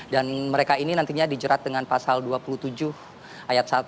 dan mereka ini nantinya dijerat dengan pasal dua puluh tujuh ayat satu